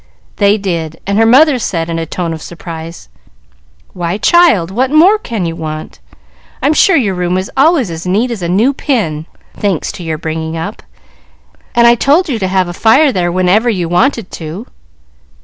They did, and her mother said in a tone of surprise, "Why, child, what more can you want? I'm sure your room is always as neat as a new pin, thanks to your bringing up, and I told you to have a fire there whenever you wanted to."